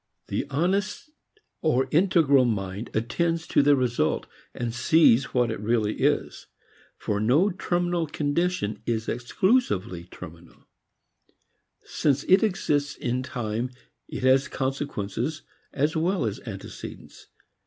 The honest or integral mind attends to the result, and sees what it really is. For no terminal condition is exclusively terminal. Since it exists in time it has consequences as well as antecedents.